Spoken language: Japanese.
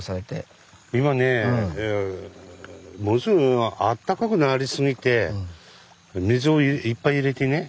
今ねものすごくあったかくなりすぎて水をいっぱい入れてね